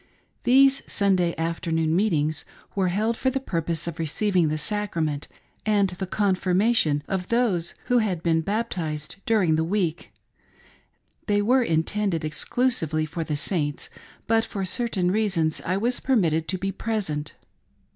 These Sunday afternoon meetings were held for the purpose of receiving the sacrament, and the con firmation of those who had been baptized during the week ; they were intended exclusively for the Saints, but for certain reasons I was permitted to be present.